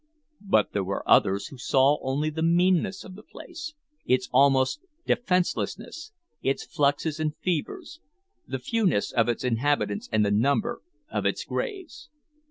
But there were others who saw only the meanness of the place, its almost defenselessness, its fluxes and fevers, the fewness of its inhabitants and the number of its graves.